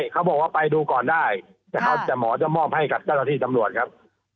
เขาบอกว่าไปดูก่อนได้แต่หมอจะมอบให้กับเจ้าหน้าที่ตำรวจครับ